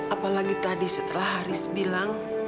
apalagi tadi setelah haris bilang